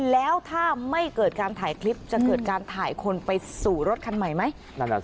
แล้วถ้าไม่เกิดการถ่ายคลิปจะเกิดการถ่ายคนไปสู่รถคันใหม่ไหม